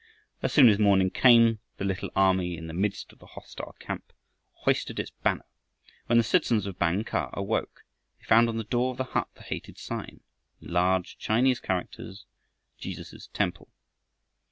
As soon as morning came the little army in the midst of the hostile camp hoisted its banner. When the citizens of Bang kah awoke, they found on the door of the hut the hated sign, in large Chinese characters, "Jesus' Temple."